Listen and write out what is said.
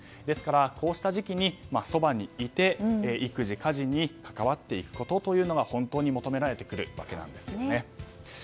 ですからこうした時期にそばにいて育児・家事に関わっていくことが本当に求められてくるわけなんですね。